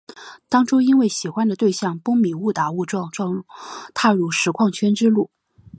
当初因为喜欢的对象蹦米误打误撞踏入实况圈之路。